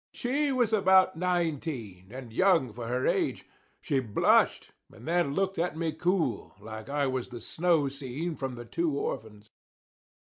She was about nineteen; and young for her age. She blushed, and then looked at me cool, like I was the snow scene from the "Two Orphans."